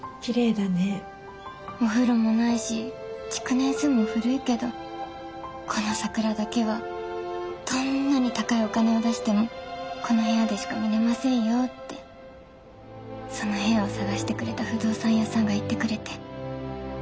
「お風呂もないし築年数も古いけどこの桜だけはどんなに高いお金を出してもこの部屋でしか見れませんよ」ってその部屋を探してくれた不動産屋さんが言ってくれて。